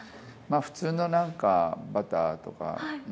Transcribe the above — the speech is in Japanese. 普通のなんか、バターとか。